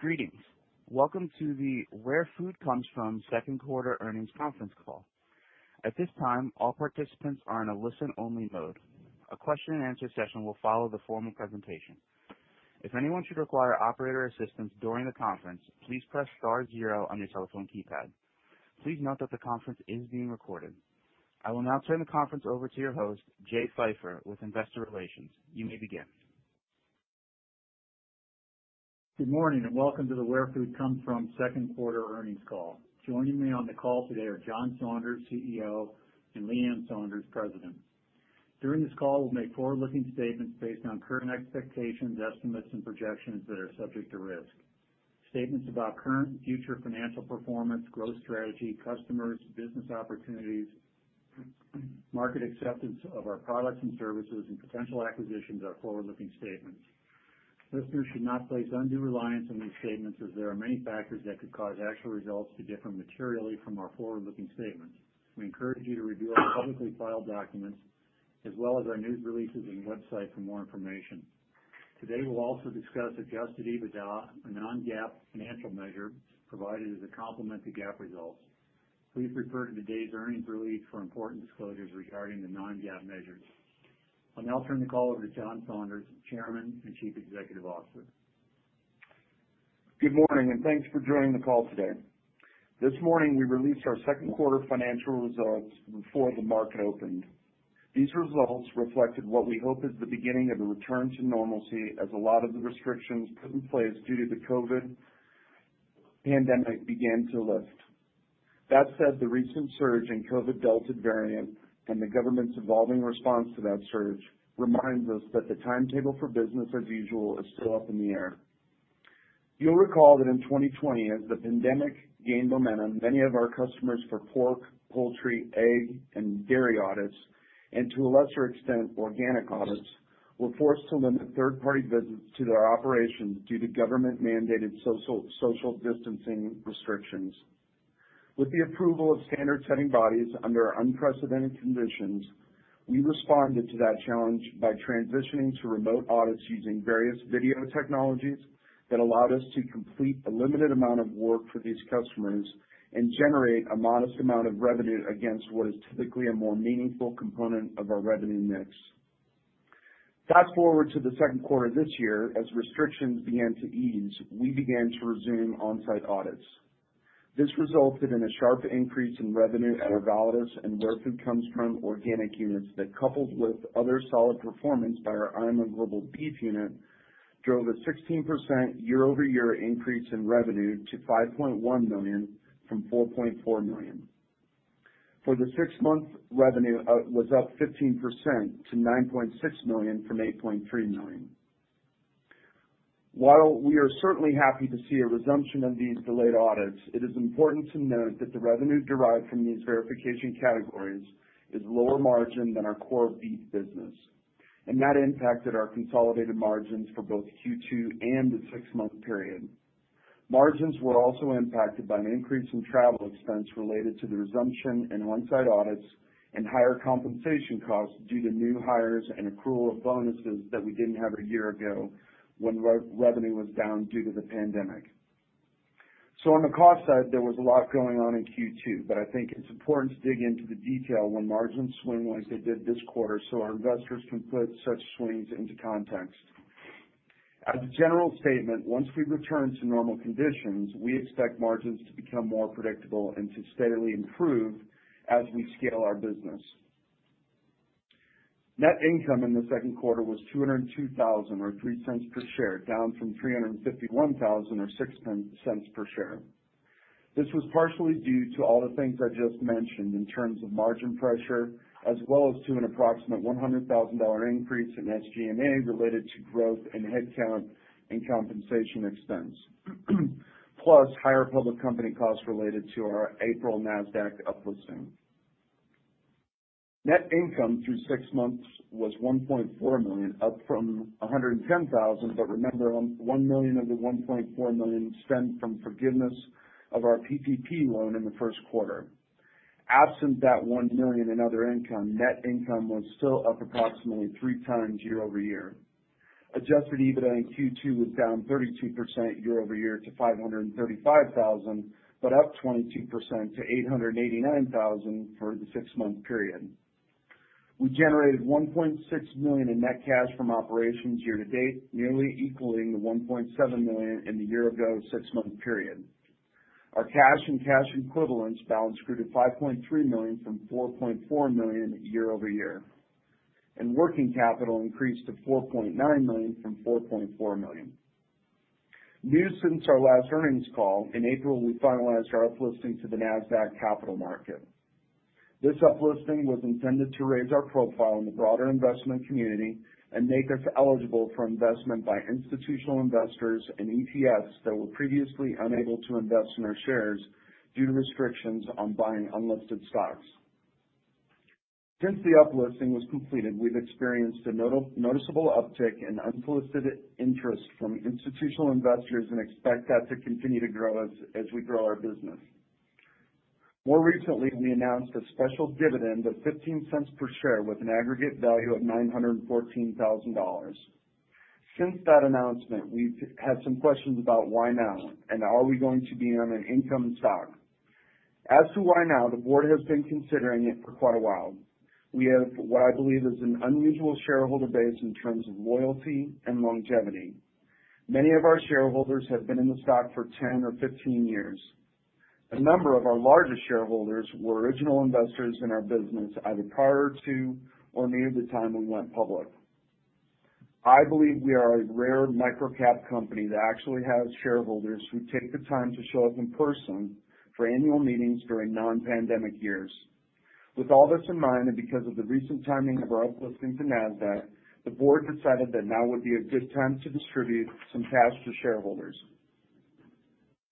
Greetings. Welcome to the Where Food Comes From second quarter earnings conference call. At this time, all participants are in a listen-only mode. A question-and-answer session will follow the formal presentation. If anyone should require operator assistance during the conference, please press star zero on your telephone keypad. Please note that the conference is being recorded. I will now turn the conference over to your host, Jay Pfeiffer, with Investor Relations. You may begin. Good morning, welcome to the Where Food Comes From second quarter earnings call. Joining me on the call today are John Saunders, CEO, and Leann Saunders, President. During this call, we'll make forward-looking statements based on current expectations, estimates, and projections that are subject to risk. Statements about current and future financial performance, growth strategy, customers, business opportunities, market acceptance of our products and services, and potential acquisitions are forward-looking statements. Listeners should not place undue reliance on these statements as there are many factors that could cause actual results to differ materially from our forward-looking statements. We encourage you to review our publicly filed documents as well as our news releases and website for more information. Today, we'll also discuss adjusted EBITDA, a non-GAAP financial measure provided as a complement to GAAP results. Please refer to today's earnings release for important disclosures regarding the non-GAAP measures. I'll now turn the call over to John Saunders, Chairman and Chief Executive Officer. Good morning, and thanks for joining the call today. This morning, we released our second quarter financial results before the market opened. These results reflected what we hope is the beginning of a return to normalcy as a lot of the restrictions put in place due to the COVID pandemic began to lift. That said, the recent surge in COVID Delta variant and the government's evolving response to that surge reminds us that the timetable for business as usual is still up in the air. You'll recall that in 2020, as the pandemic gained momentum, many of our customers for pork, poultry, egg, and dairy audits, and to a lesser extent, organic audits, were forced to limit third-party visits to their operations due to government-mandated social distancing restrictions. With the approval of standard-setting bodies under unprecedented conditions, we responded to that challenge by transitioning to remote audits using various video technologies that allowed us to complete a limited amount of work for these customers and generate a modest amount of revenue against what is typically a more meaningful component of our revenue mix. Fast-forward to the second quarter this year. As restrictions began to ease, we began to resume on-site audits. This resulted in a sharp increase in revenue at our Validus and Where Food Comes From Organic units that, coupled with other solid performance by our IMI Global beef unit, drove a 16% year-over-year increase in revenue to $5.1 million from $4.4 million. For the sixth month, revenue was up 15% to $9.6 million from $8.3 million. While we are certainly happy to see a resumption of these delayed audits, it is important to note that the revenue derived from these verification categories is lower margin than our core beef business, and that impacted our consolidated margins for both Q2 and the six-month period. Margins were also impacted by an increase in travel expense related to the resumption in on-site audits and higher compensation costs due to new hires and accrual of bonuses that we didn't have a year ago when revenue was down due to the pandemic. On the cost side, there was a lot going on in Q2, but I think it's important to dig into the detail when margins swing like they did this quarter so our investors can put such swings into context. As a general statement, once we return to normal conditions, we expect margins to become more predictable and to steadily improve as we scale our business. Net income in the second quarter was $202,000 or $0.03 per share, down from $351,000 or $0.06 per share. This was partially due to all the things I just mentioned in terms of margin pressure, as well as to an approximate $100,000 increase in SG&A related to growth in headcount and compensation expense. Higher public company costs related to our April NASDAQ uplisting. Net income through six months was $1.4 million, up from $110,000. Remember, $1 million of the $1.4 million stem from forgiveness of our PPP loan in the first quarter. Absent that $1 million in other income, net income was still up approximately 3x year-over-year. Adjusted EBITDA in Q2 was down 32% year-over-year to $535,000, but up 22% to $889,000 for the six-month period. We generated $1.6 million in net cash from operations year-to-date, nearly equaling the $1.7 million in the year ago six-month period. Our cash and cash equivalents balance grew to $5.3 million from $4.4 million year-over-year, and working capital increased to $4.9 million from $4.4 million. New since our last earnings call, in April, we finalized our uplisting to the NASDAQ Capital Market. This uplisting was intended to raise our profile in the broader investment community and make us eligible for investment by institutional investors and ETFs that were previously unable to invest in our shares due to restrictions on buying unlisted stocks. Since the uplisting was completed, we've experienced a noticeable uptick in unsolicited interest from institutional investors and expect that to continue to grow as we grow our business. More recently, we announced a special dividend of $0.15 per share with an aggregate value of $914,000. Since that announcement, we've had some questions about why now, and are we going to be on an income stock? As to why now, the board has been considering it for quite a while. We have what I believe is an unusual shareholder base in terms of loyalty and longevity. Many of our shareholders have been in the stock for 10 or 15 years. A number of our largest shareholders were original investors in our business, either prior to or near the time we went public. I believe we are a rare microcap company that actually has shareholders who take the time to show up in person for annual meetings during non-pandemic years. With all this in mind, and because of the recent timing of our uplisting to NASDAQ, the board decided that now would be a good time to distribute some cash to shareholders.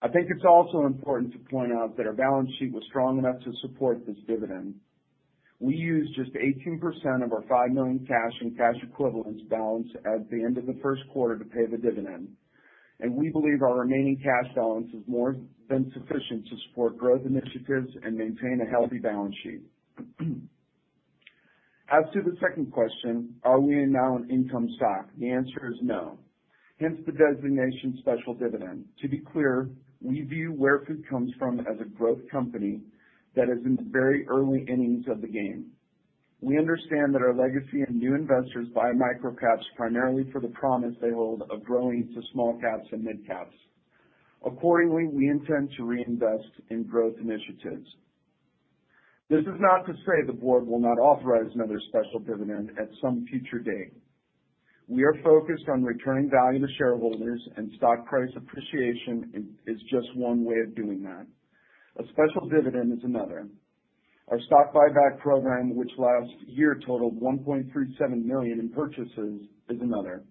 I think it's also important to point out that our balance sheet was strong enough to support this dividend. We used just 18% of our $5 million cash and cash equivalents balance at the end of the first quarter to pay the dividend, and we believe our remaining cash balance is more than sufficient to support growth initiatives and maintain a healthy balance sheet. As to the second question, are we now an income stock? The answer is no, hence the designation special dividend. To be clear, we view Where Food Comes From as a growth company that is in the very early innings of the game. We understand that our legacy and new investors buy microcaps primarily for the promise they hold of growing to small caps and mid caps. Accordingly, we intend to reinvest in growth initiatives. This is not to say the board will not authorize another special dividend at some future date. We are focused on returning value to shareholders, and stock price appreciation is just one way of doing that. A special dividend is another. Our stock buyback program, which last year totaled $1.37 million in purchases, is another.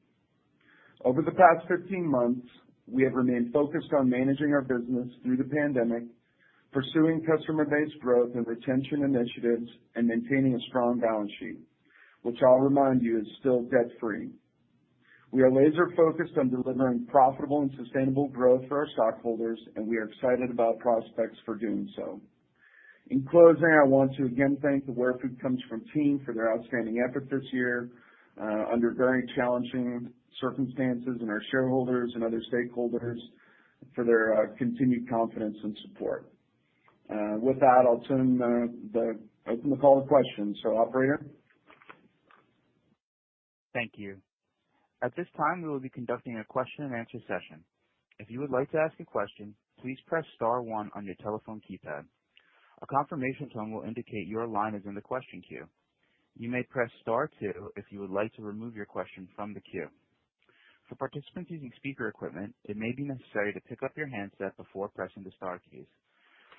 Over the past 15 months, we have remained focused on managing our business through the pandemic, pursuing customer base growth and retention initiatives, and maintaining a strong balance sheet, which I'll remind you is still debt-free. We are laser-focused on delivering profitable and sustainable growth for our stockholders, and we are excited about prospects for doing so. In closing, I want to again thank the Where Food Comes From team for their outstanding effort this year, under very challenging circumstances, and our shareholders and other stakeholders for their continued confidence and support. With that, I'll open the call to questions. Operator? Thank you. At this time, we will be conducting a question and answer session. If you would like to ask a question, please press star one on your telephone keypad. A confirmation tone will indicate your line is in the question queue. You may press star two if you would like to remove your question from the queue. For participants using speaker equipment, it may be necessary to pick up your handset before pressing the star keys.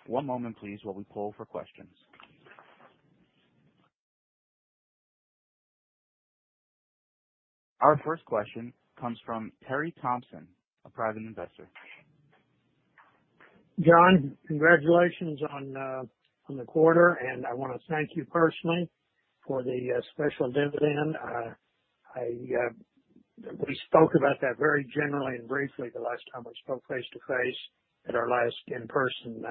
One moment please while we poll for questions. Our first question comes from [Terry Thompson], a private investor. John, congratulations on the quarter, and I want to thank you personally for the special dividend. We spoke about that very generally and briefly the last time we spoke face-to-face at our last in-person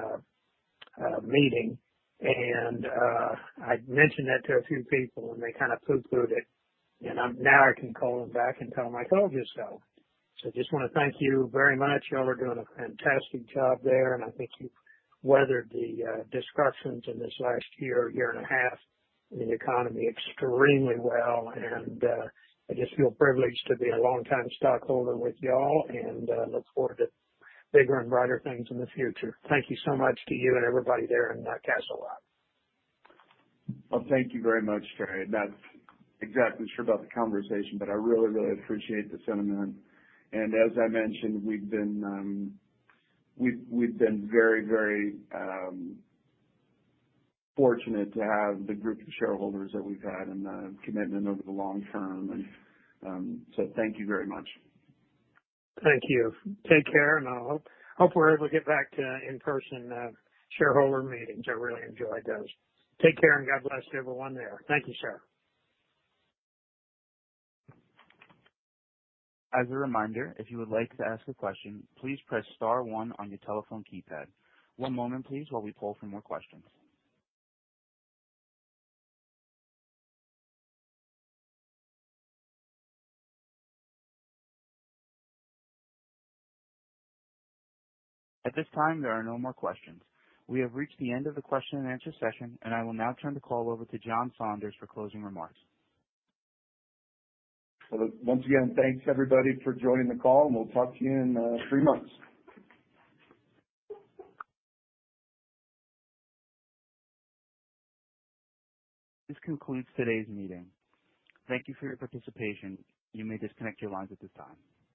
meeting. I'd mentioned that to a few people, and they kind of pooh-pooh'd it, and now I can call them back and tell them, "I told you so." Just want to thank you very much. Y'all are doing a fantastic job there, and I think you've weathered the disruptions in this last year and a half, in the economy extremely well. I just feel privileged to be a longtime stockholder with y'all and look forward to bigger and brighter things in the future. Thank you so much to you and everybody there in Castle Rock. Well, thank you very much, [Terry]. Not exactly sure about the conversation, but I really appreciate the sentiment. As I mentioned, we've been very fortunate to have the group of shareholders that we've had and the commitment over the long term. Thank you very much. Thank you. Take care. I hope we're able to get back to in-person shareholder meetings. I really enjoy those. Take care. God bless everyone there. Thank you, sir. As a reminder, if you would like to ask a question, please press star one on your telephone keypad. One moment please while we poll for more questions. At this time, there are no more questions. We have reached the end of the question-and-answer session, I will now turn the call over to John Saunders for closing remarks. Once again, thanks everybody for joining the call, and we'll talk to you in three months. This concludes today's meeting. Thank you for your participation. You may disconnect your lines at this time.